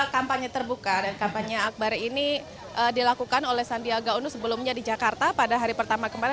kampanye terbuka dan kampanye akbar ini dilakukan oleh sandiaga uno sebelumnya di jakarta pada hari pertama kemarin